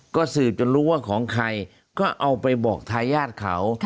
ก็สืบจนรู้ว่าของใครก็เอาไปบอกทายาทเขา